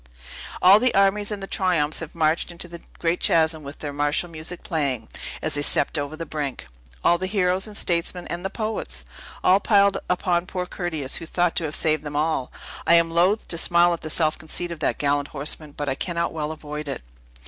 All the armies and the triumphs have marched into the great chasm, with their martial music playing, as they stepped over the brink. All the heroes, the statesmen, and the poets! All piled upon poor Curtius, who thought to have saved them all! I am loath to smile at the self conceit of that gallant horseman, but cannot well avoid it."